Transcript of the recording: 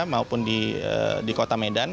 maupun di kota medan